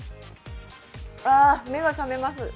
目が覚めます。